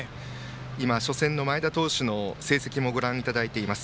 今、初戦の前田投手の成績をご覧いただいています。